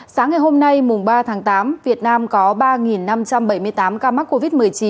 sáng ngày hôm nay mùng ba tháng tám việt nam có ba năm trăm bảy mươi tám ca mắc covid một mươi chín